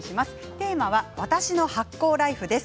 テーマは私の発酵ライフです。